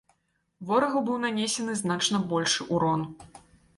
Ворагу быў нанесены значна большы ўрон.